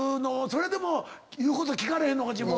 それでも言うこと聞かれへんのか自分。